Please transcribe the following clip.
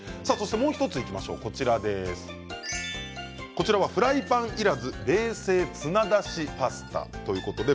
もう１つがフライパンいらず冷製ツナだしパスタです。